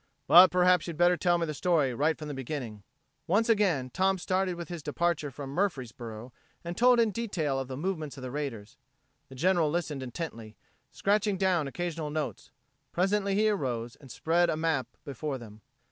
But, perhaps, you'd better tell me the story right from the beginning." Once again, Tom started with his departure from Murfreesboro and told in detail of the movements of the raiders. The General listened intently, scratching down occasional notes; presently he arose and spread a map before them.